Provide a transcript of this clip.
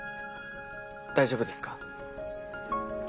大丈夫ですか？